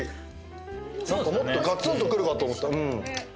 何かもっとがつんとくるかと思った。